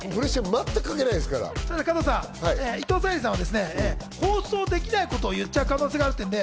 加藤さん、伊藤沙莉さんは放送できないことを言っちゃう可能性があるっていうんで。